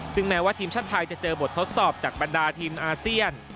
ซึ่งแม้ว่าทีมชาติไทยจะเจอบททดสอบจากบรรดาทีมอาเซียน